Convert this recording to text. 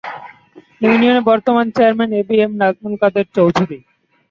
ইউনিয়নের বর্তমান chairman A B M Nazmul Kader Chowdhury.